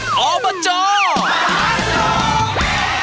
ขอบคุณครับ